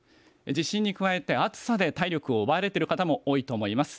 地震に加えて暑さで体力を奪われいてる方も多いと思います。